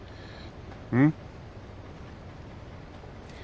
うん？